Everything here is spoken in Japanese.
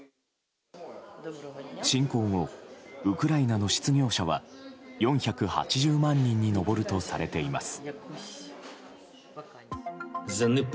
侵攻後、ウクライナの失業者は４８０万人に上るとされています。